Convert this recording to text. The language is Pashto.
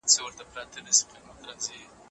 ملت لوی زیان ولید.